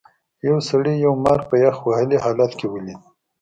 یو سړي یو مار په یخ وهلي حالت کې ولید.